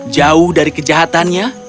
jauh dari kejahatannya